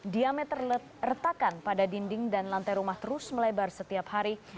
diameter retakan pada dinding dan lantai rumah terus melebar setiap hari